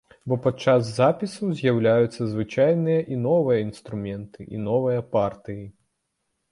Бо падчас запісу з'яўляюцца звычайна і новыя інструменты, і новыя партыі.